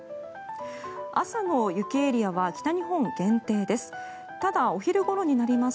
朝の雪エリアは北日本限定です。